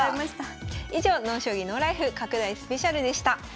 以上「ＮＯ将棋ＮＯＬＩＦＥ」拡大スペシャルでした。